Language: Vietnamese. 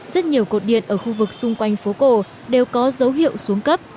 rất nhiều cột điện ở khu vực xung quanh phố cổ đều có dấu hiệu xuống cấp